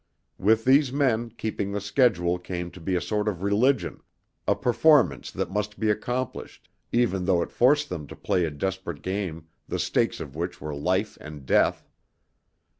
With these men, keeping the schedule came to be a sort of religion, a performance that must be accomplished even though it forced them to play a desperate game the stakes of which were life and death.